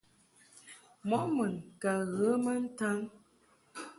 Mɔʼ mun ka ghə ma ntan.